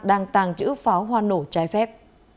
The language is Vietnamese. đang tàng chữ pháo hoa nổ trái phép